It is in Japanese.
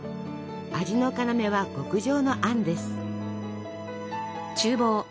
味の要は極上のあんです。